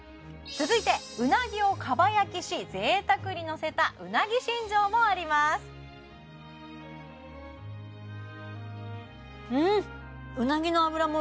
続いて鰻を蒲焼きし贅沢にのせた鰻しんじょうもありますうん！